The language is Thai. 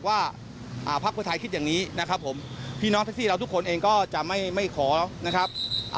อันนี้คือความโหคักนะครับ